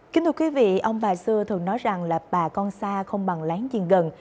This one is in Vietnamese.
kính thưa quý vị ông bà xưa thường nói rằng là bà con xa không bằng láng gì gần